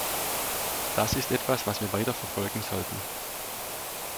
Das ist etwas, was wir weiter verfolgen sollten.